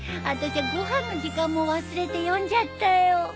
あたしゃご飯の時間も忘れて読んじゃったよ。